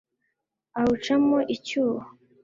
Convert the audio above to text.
awucamo icyuho